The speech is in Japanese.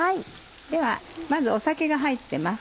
ではまず酒が入ってます。